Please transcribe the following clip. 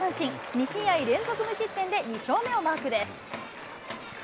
２試合連続無失点で２勝目をマークです。